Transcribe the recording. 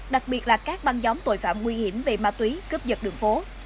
đặc biệt là các băng gióng tội phạm nguy hiểm về ma túy cướp dật đường phố